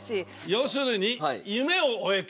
要するに夢を追えと。